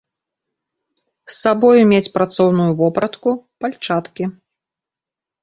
З сабою мець працоўную вопратку, пальчаткі.